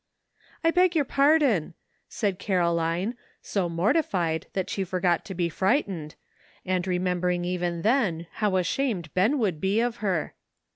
"I beg your pardon," said Caroline, so morti fied that she forgot to be frightened, and re membering: even then how ashamed Ben would be of her.